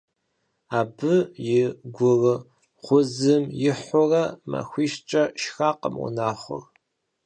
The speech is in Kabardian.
Абы и гурыгъузым ихьурэ, махуищкӀэ шхакъым унагъуэр.